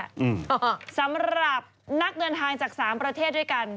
สำหรับนักเดินทางจากสามประเทศด้วยกัน